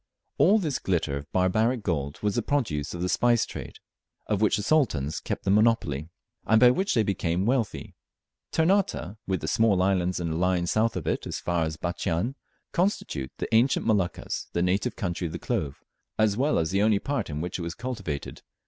All this glitter of barbaric gold was the produce of the spice trade, of which the Sultans kept the monopoly, and by which they became wealthy. Ternate, with the small islands in a line south of it, as far as Batchian, constitute the ancient Moluccas, the native country of the clove, as well as the only part in which it was cultivated.